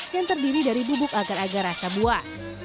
yang terdiri dari bubuk agar agar rasa buah